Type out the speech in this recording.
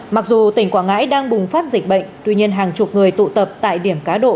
mặc dù tỉnh quảng ngãi đang bùng phát dịch bệnh tuy nhiên hàng chục người tụ tập tại điểm cá độ